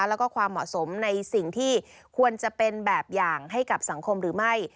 แล้วก็ความเหมาะสมในสิ่งที่ควรจะเป็นแบบอย่างให้กับสังคมหรือไม่